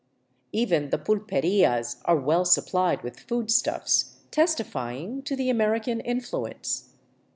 Even the pulperias are well sup plied with foodstuffs, testifying to the American influence.